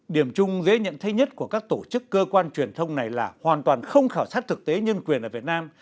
điểm chung dễ nhận thấy nhất của các tổ chức cơ quan truyền thông này là hoàn toàn không khảo sát thực tế nhân quyền ở việt nam